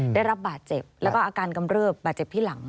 ได้รับบาดเจ็บแล้วก็อาการกำเริบบาดเจ็บที่หลัง